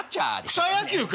草野球か？